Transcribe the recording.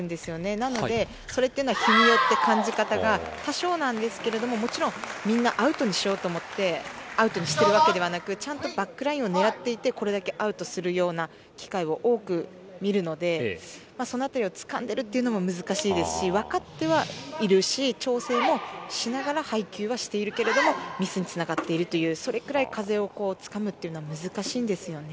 なので、それというのは日によって感じ方が多少なんですがもちろん、みんなアウトにしようと思ってアウトにしているわけではなくちゃんとバックラインを狙っていてこれだけアウトするような機会を多く見るのでその辺りをつかんでいるというのも難しいですしわかってはいるし調整もしながら配球はしているけれどもミスにつながっているというそれくらい風をつかむというのは難しいんですよね。